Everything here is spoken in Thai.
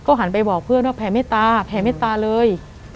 หันไปบอกเพื่อนว่าแผ่เมตตาแผ่เมตตาเลย